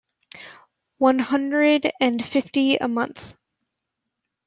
One hundred and fifty a month.